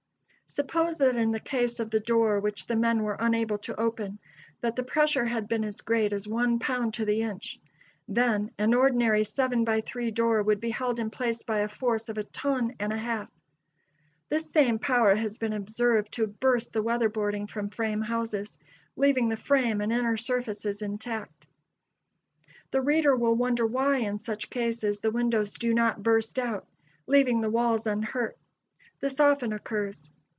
Suppose that in the case of the door which the men were unable to open, that the pressure had been as great as one pound to the inch. Then an ordinary seven by three door would be held in place by a force of a ton and a half. This same power has been observed to burst the weather boarding from frame houses, leaving the frame and inner surfaces intact. The reader will wonder why, in such cases, the windows do not burst out, leaving the walls unhurt. This often occurs.